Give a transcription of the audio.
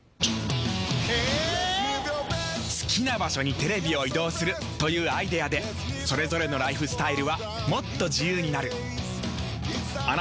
好きな場所にテレビを移動するというアイデアでそれぞれのライフスタイルはもっと自由になる。